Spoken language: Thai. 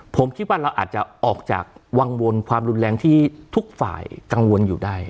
ผมคิดว่าเราอาจจะออกจากวังวลความรุนแรงที่ทุกฝ่ายกังวลอยู่ได้